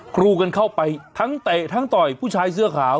ครูกันเข้าไปทั้งเตะทั้งต่อยผู้ชายเสื้อขาว